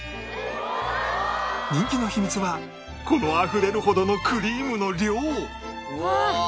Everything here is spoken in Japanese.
人気の秘密はこのあふれるほどのクリームの量